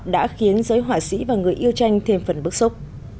đã khiến giới họa sĩ và người yêu tranh thêm phần bức xúc